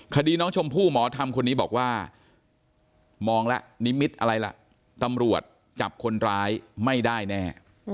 คดีน้องชมพู่หมอธรรมคนนี้บอกว่ามองแล้วนิมิตรอะไรล่ะตำรวจจับคนร้ายไม่ได้แน่